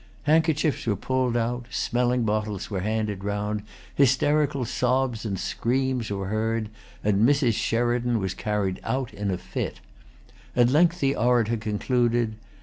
Handkerchiefs were pulled out; smelling bottles were handed round; hysterical sobs and screams were heard; and Mrs. Sheridan was carried out in a fit. At length the orator concluded.